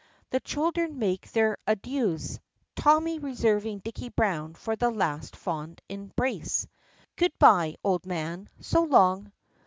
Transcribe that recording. The children make their adieus, Tommy reserving Dicky Browne for a last fond embrace. "Good bye, old man! So long!"